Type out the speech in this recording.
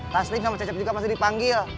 taslim sama cecep juga masih dipanggil